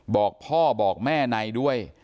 บอกพ่อบอกแม่ในด้วย